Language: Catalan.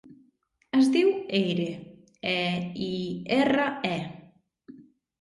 Es diu Eire: e, i, erra, e.